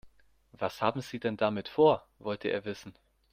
Was haben Sie denn damit vor?, wollte er wissen.